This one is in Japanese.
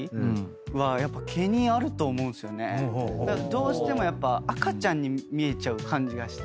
どうしてもやっぱ赤ちゃんに見えちゃう感じがして。